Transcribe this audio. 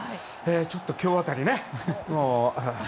ちょっと今日辺りね。